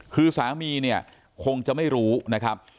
คือสามีเนี่ยคงจะไม่รู้นะครับ